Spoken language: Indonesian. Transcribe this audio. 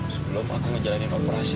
sebelum aku ngejalanin operasi